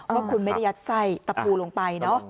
ว่าคุณไม่ได้ยัดไส้ตะปูลงไปเนอะ